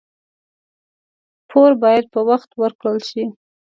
پور باید په وخت ورکړل شي.